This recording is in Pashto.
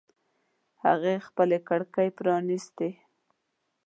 هغې خپلې کړکۍ پرانیستې